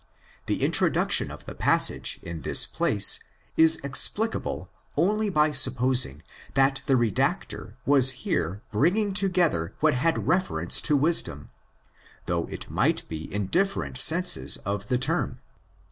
The introduction of the passage in this place is explicable only by supposing that the redactor was here bringing together what had reference to wisdom, though it might be in different senses of the term.